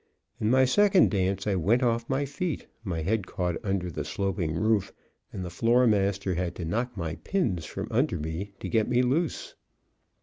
In my second dance I went off my feet, my head caught under the sloping roof, and the floor master had to knock my "pins" from under me to get me loose.